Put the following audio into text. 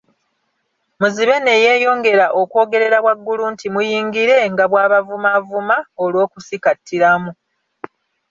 Muzibe ne yeeyongera okwogerera waggulu nti muyingire, nga bw'abavumaavuma olw'okusikattiramu.